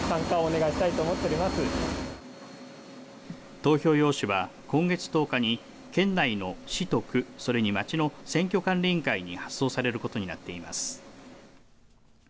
投票用紙は今月１０日に県内の市と区それに町の選挙管理委員会に発送されることになっています。